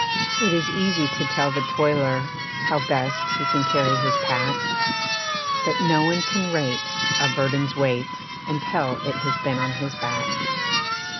It is easy to tell the toiler How best he can carry his pack, But no one can rate a burden's weight Until it has been on his back.